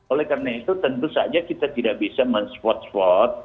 oleh karena itu tentu saja kita tidak bisa men spot spot